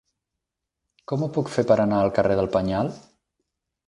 Com ho puc fer per anar al carrer del Penyal?